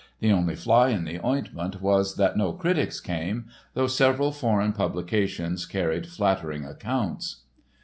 The only fly in the ointment was that no critics came, though several foreign publications carried flattering accounts.